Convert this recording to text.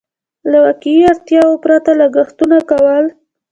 له واقعي اړتياوو پرته لګښتونه کول.